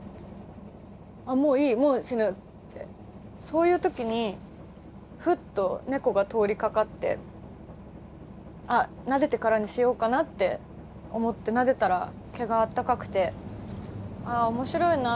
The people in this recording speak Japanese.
そういう時にふっと猫が通りかかってあっなでてからにしようかなって思ってなでたら毛があったかくて「あ面白いな。